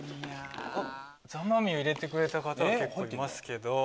ザ・マミィを入れてくれた方結構いますけど。